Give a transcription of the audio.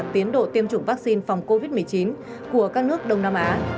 tiến độ tiêm chủng vaccine phòng covid một mươi chín của các nước đông nam á